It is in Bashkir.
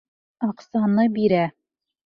Аҡсаны бирә.